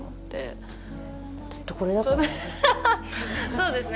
そうですね。